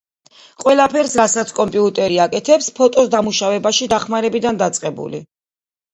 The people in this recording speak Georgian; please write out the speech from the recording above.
ყველაფერს რასაც კომპიუტერი აკეთებს, ფოტოს დამუშავებაში დახმარებიდან დაწყებული